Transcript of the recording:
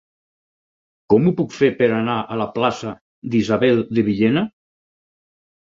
Com ho puc fer per anar a la plaça d'Isabel de Villena?